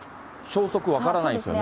消息分からないですよね。